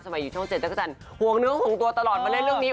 สมัยอยู่ช่วงเจนจักรจันห่วงเนื้อของตัวตลอดมาเล่นเรื่องนี้